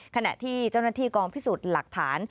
ขณะที่เจ้าหน้าที่กองพิสูจน์หลักฐาน